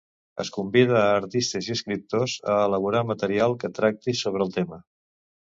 Es convida a artistes i escriptors a elaborar material que tracti sobre el tema.